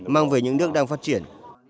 mang về những nước đang phát triển